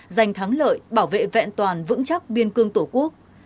giành thắng lợi bảo vệ vẹn toàn vững chắc biên cương tổ quốc